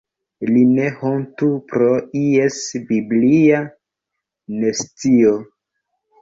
Li ne hontu pro ies biblia nescio.